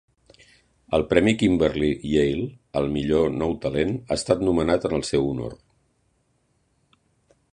El premi Kimberly Yale al millor nou talent ha estat nomenat en el seu honor.